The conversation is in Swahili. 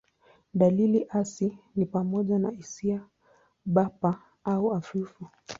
Dalili hasi ni pamoja na hisia bapa au hafifu.